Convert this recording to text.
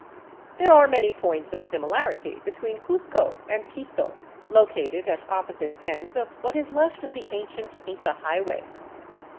There are many points of similarity between Cuzco and Quito, located at opposite ends of what is left of the ancient Inca highway.